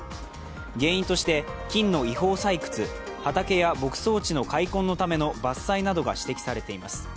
原因として金の違法採掘、畑や牧草地の開墾のための伐採などが指摘されています。